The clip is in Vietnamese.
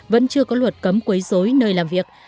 vẫn chưa có luật cấm quấy dối nơi làm việc